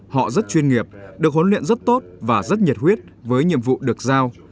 họ rất chuyên nghiệp được huấn luyện rất tốt và rất nhiệt huyết với nhiệm vụ được giao